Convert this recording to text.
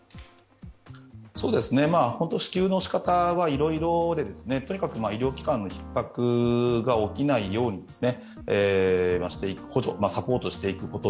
支給の仕方はいろいろで、とにかく医療機関のひっ迫が起きないように補助、サポートしていくこと。